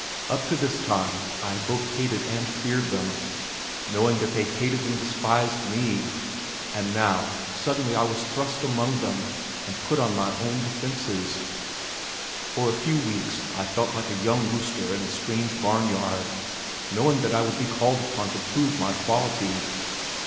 Up to this time I had both hated and feared them, knowing that they hated and despised me, and now, suddenly I was thrust among them and put on my own defenses. For a few weeks I felt like a young rooster in a strange barn yard, knowing that I would be called upon to prove my quality.